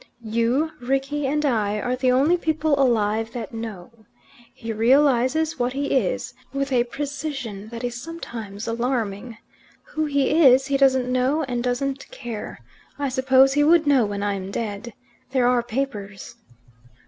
"You, Rickie, and I are the only people alive that know. He realizes what he is with a precision that is sometimes alarming. Who he is, he doesn't know and doesn't care. I suppose he would know when I'm dead. There are papers."